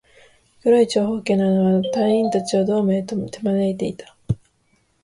黒い長方形の穴は、隊員達をドームへと手招いていた